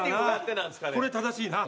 これ正しいな。